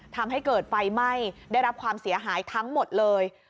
ทำให้เกิดไฟไหม้ได้รับความเสียหายทั้งหมดเลย